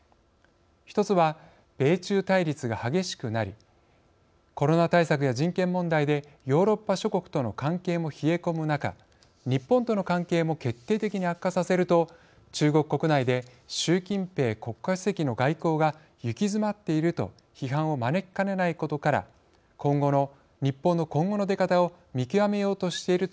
１つは米中対立が激しくなりコロナ対策や人権問題でヨーロッパ諸国との関係も冷え込む中日本との関係も決定的に悪化させると中国国内で習近平国家主席の外交が行き詰まっていると批判を招きかねないことから日本の今後の出方を見極めようとしているという見方です。